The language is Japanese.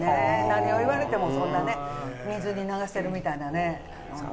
何を言われてもそんなね水に流せるみたいなね。